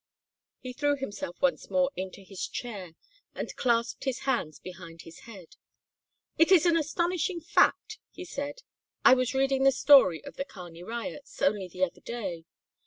He threw himself once more into his chair and clasped his hands behind his head. "It is an astonishing fact," he said "This I was reading the history of the Kearney riots, only the other day.